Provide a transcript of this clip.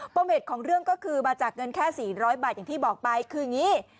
มเหตุของเรื่องก็คือมาจากเงินแค่๔๐๐บาทอย่างที่บอกไปคืออย่างนี้